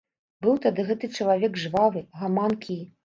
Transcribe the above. Быў тады гэты чалавек жвавы, гаманкі.